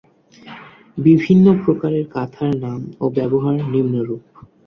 বিভিন্ন প্রকারের কাঁথার নাম ও ব্যবহার নিম্নরূপ